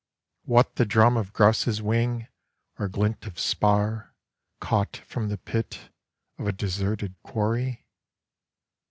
What the drum of grouse's wing, Or glint of spar, Caught from the pitOf a deserted quarry?